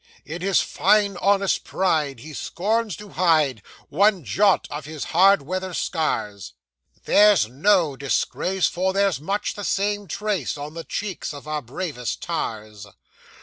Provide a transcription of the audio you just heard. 'In his fine honest pride, he scorns to hide One jot of his hard weather scars; They're no disgrace, for there's much the same trace On the cheeks of our bravest tars.